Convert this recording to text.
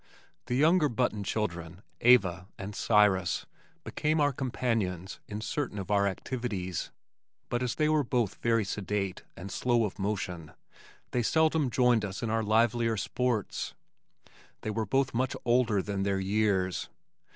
The younger Button children, Eva and Cyrus, became our companions in certain of our activities, but as they were both very sedate and slow of motion, they seldom joined us in our livelier sports. They were both much older than their years.